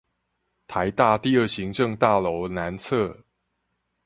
臺大第二行政大樓南側